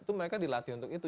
itu mereka dilatih untuk itu